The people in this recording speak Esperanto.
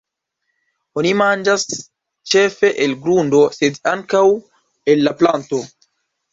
Oni manĝas ĉefe el grundo sed ankaŭ el la planto.